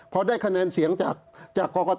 พอได้คะแนนเสียงจากกรกต